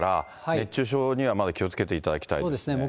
熱中症にはまだ気をつけていただきたいですね。